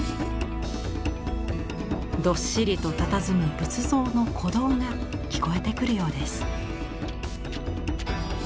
どっしりとたたずむ仏像の鼓動が聞こえてくるようです。